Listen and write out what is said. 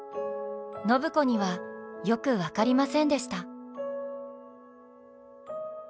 暢子にはよく分かりませんでした。